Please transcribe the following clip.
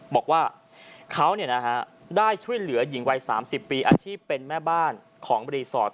บอกว่าเขาได้ช่วยเหลือหญิงวัย๓๐ปีอาชีพเป็นแม่บ้านของรีสอร์ท